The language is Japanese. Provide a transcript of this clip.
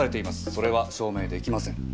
それは証明できません。